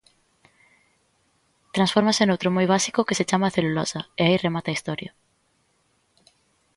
Transfórmase noutro moi básico que se chama celulosa e aí remata a historia.